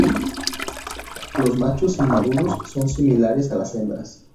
Los machos inmaduros son similares a las hembras.